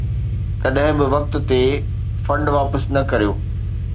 ڪڏهن به وقت تي فنڊ واپس نه ڪريو.